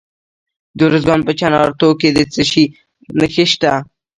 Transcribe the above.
د ارزګان په چنارتو کې د څه شي نښې دي؟